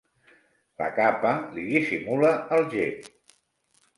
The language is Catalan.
La capa li dissimula el gep.